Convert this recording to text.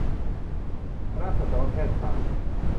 คณะสัตวแพทย์ศาสตร์